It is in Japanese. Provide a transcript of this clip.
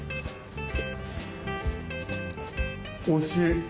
おいしい。